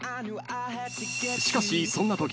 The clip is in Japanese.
［しかしそんなとき］